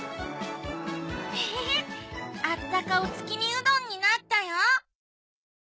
えへへあったかおつきみうどんになったよ。